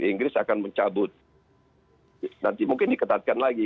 inggris akan mencabut nanti mungkin diketatkan lagi